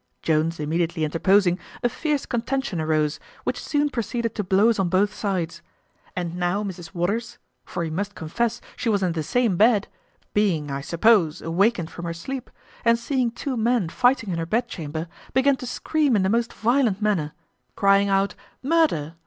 Jones immediately interposing, a fierce contention arose, which soon proceeded to blows on both sides. And now Mrs Waters (for we must confess she was in the same bed), being, I suppose, awakened from her sleep, and seeing two men fighting in her bedchamber, began to scream in the most violent manner, crying out murder!